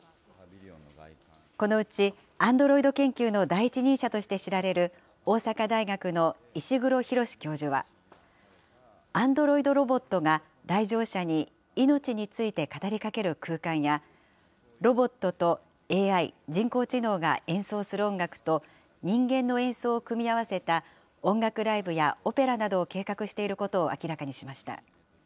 このうちアンドロイド研究の第一人者として知られる、大阪大学の石黒浩教授は、アンドロイドロボットが来場者にいのちについて語りかける空間や、ロボットとＡＩ・人工知能が演奏する音楽と、人間の演奏を組み合わせた音楽ライブやオペラなどを計画していることを明らかにしました。